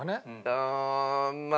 ああまあ。